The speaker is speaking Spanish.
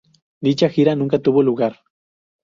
Dicha gira nunca tuvo lugar.